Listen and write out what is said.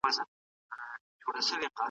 زه به سبا د سبا پلان جوړ کړم.